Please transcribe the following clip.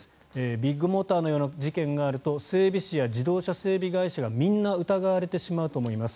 ビッグモーターのような事件があると整備士や自動車整備会社がみんな疑われてしまうと思います。